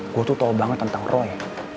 gue tuh tau banget tentang roya